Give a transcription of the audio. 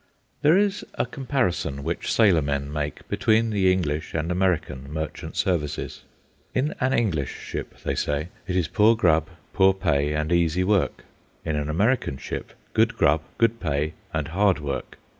There is a comparison which sailormen make between the English and American merchant services. In an English ship, they say, it is poor grub, poor pay, and easy work; in an American ship, good grub, good pay, and hard work.